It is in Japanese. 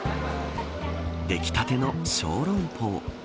出来たての小龍包。